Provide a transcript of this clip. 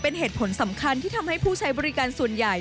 เป็นเหตุผลสำคัญที่ทำให้ผู้ใช้บริการส่วนใหญ่